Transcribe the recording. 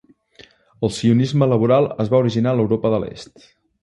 El sionisme laboral es va originar a l'Europa de l'Est.